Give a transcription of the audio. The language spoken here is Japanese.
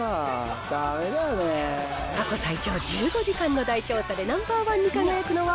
過去最長１５時間の大調査でナンバー１に輝くのは？